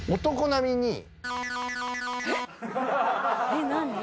男並みに？